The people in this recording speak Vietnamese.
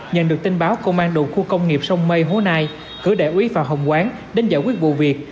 nhận được tin báo công an đồn khu công nghiệp sông mây hố nai cử đại úy phạm hồng quán đến giải quyết vụ việc